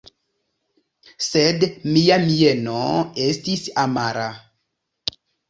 Sed mia mieno estis amara.